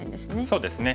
そうですね。